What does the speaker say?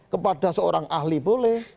kepada seorang ahli boleh